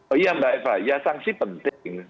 oh iya mbak eva ya sanksi penting